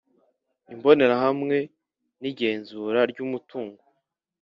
Imbonerahamwe no Igenzura ry umutungo